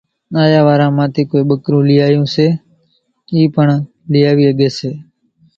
آيا واران مان ٿي ڪونئين ٻڪرون لئِي آيون سي اِي پڻ لئين آوي ۿڳي سي،